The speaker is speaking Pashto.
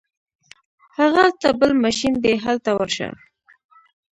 هغلته بل ماشین دی هلته ورشه.